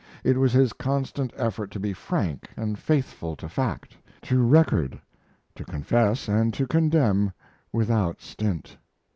It was his constant effort to be frank and faithful to fact, to record, to confess, and to condemn without stint.